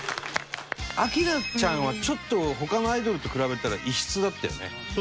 明菜ちゃんはちょっと他のアイドルと比べたら異質だったよね。